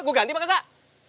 gue ganti pak kak